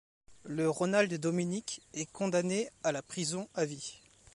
Le Ronald Dominique est condamné à la prison à vie.